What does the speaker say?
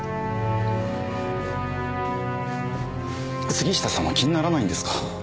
杉下さんは気にならないんですか？